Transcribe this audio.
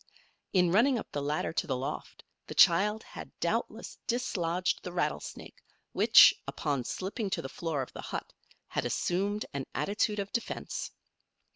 In running up the ladder to the loft the child had doubtless dislodged the rattlesnake which, upon slipping to the floor of the hut, had assumed an attitude of defense.